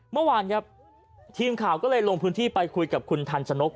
เมื่อวานครับทีมข่าวก็เลยลงพื้นที่ไปคุยกับคุณทันชนก